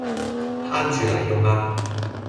慳住嚟用呀